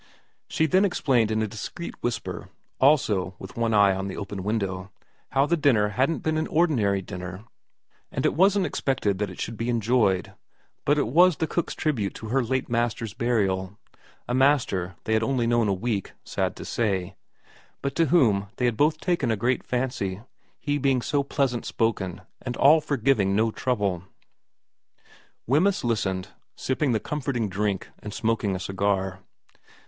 She then explained in a discreet whisper, also with one eye on the open window, how the dinner hadn't been an ordinary dinner and it wasn't expected that it should be enjoyed, but it was the cook's tribute to her late master's burial day, a master they had only known a week, sad to say, but to whom they had both taken a great fancy, he being so pleasant spoken and all for giving no trouble. 40 VERA iv Wemyss listened, sipping the comforting drink and smoking a cigar.